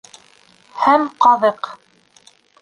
Һәм ҡаҙыҡ.